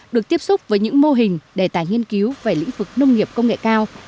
được tiếp xúc với những mô hình đề tài nghiên cứu về lĩnh vực nông nghiệp công nghệ cao